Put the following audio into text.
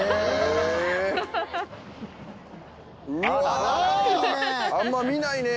あんま見ないね